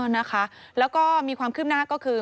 อ๋อนะคะแล้วก็มีความขึ้นหน้าก็คือ